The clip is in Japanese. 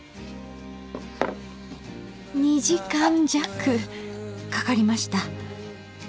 ２時間弱かかりました。